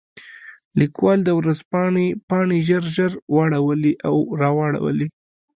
لیکوال د ورځپاڼې پاڼې ژر ژر واړولې او راواړولې.